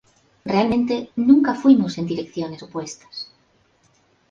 Realmente, nunca fuimos en direcciones opuestas.